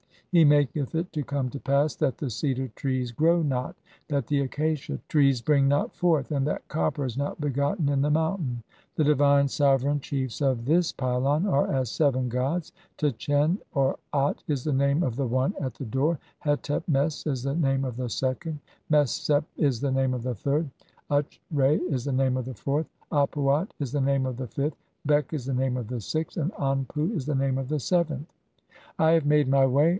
He maketh it to "come to pass that the cedar trees grow not, that the acacia "trees bring not forth, and that copper is not begotten in the "mountain. The divine sovereign chiefs of this pylon are as "seven gods. Tchen or At is the name of the (74) one at the "door; Hetep mes is the name of the second; Mes sep is the "name of the third ; Utch re is the name of the fourth ; Ap uat "is the name of the fifth ; Beq is the name of the sixth ; and "Anpu is the name of the seventh." (75) "I have made [my] way.